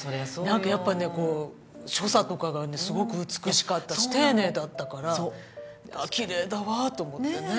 なんかやっぱねこう所作とかがねすごく美しかったし丁寧だったからきれいだわと思ってね。